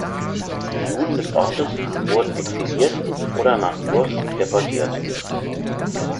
Die Juden des Ortes wurden exiliert oder nach Gurs deportiert.